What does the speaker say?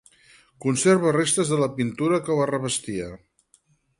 Conserva restes de la pintura que la revestia.